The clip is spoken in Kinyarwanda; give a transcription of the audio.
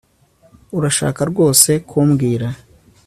Urashaka rwose kumbwira